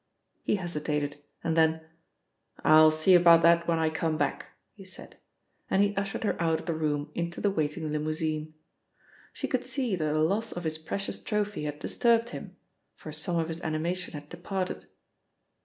He hesitated, and then: "I'll see about that when I come back," he said, and he ushered her out of the room into the waiting limousine. She could see that the loss of his precious trophy had disturbed him, for some of his animation had departed.